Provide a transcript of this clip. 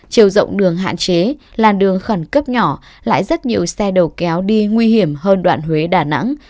chiều rộng đường hạn chế làn đường khẩn cấp nhỏ lại rất nhiều xe đầu kéo đi nguy hiểm hơn đoạn huế đà nẵng